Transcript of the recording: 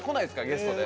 ゲストで。